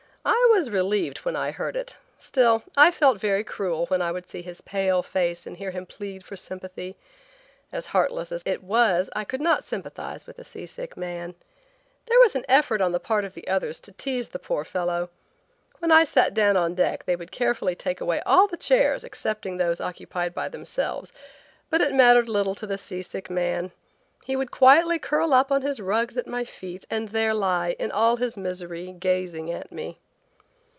I was relieved when I heard it, still I felt very cruel when I would see his pale face and hear him plead for sympathy. As heartless as I thought it was I could not sympathize with a seasick man. There was an effort on the part of others to tease the poor fellow. When I sat down on deck they would carefully take away all the chairs excepting those occupied by themselves, but it mattered little to the seasick man. He would quietly curl up on his rugs at my feet and there lie, in all his misery, gazing at me.